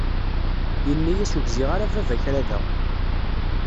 Yenna-as ur gziɣ ara a baba kra da.